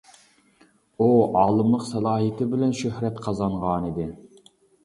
ئۇ ئالىملىق سالاھىيىتى بىلەن شۆھرەت قازانغانىدى.